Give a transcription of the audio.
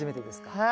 はい。